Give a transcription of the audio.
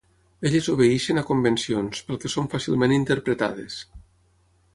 Elles obeeixen a convencions, pel que són fàcilment interpretades.